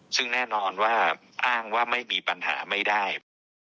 ซึ่งแน่นอนว่าอ้างว่าไม่มีปัญหาไม่ได้